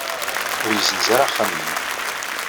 Ur yessenz ara axxam-nni.